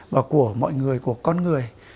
và của mọi người của con người